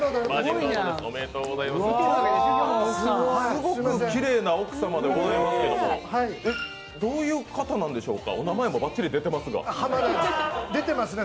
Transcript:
すごくきれいな奥様でございますけれども、どういう方なんでしょうか、お名前もばっちり出てますが。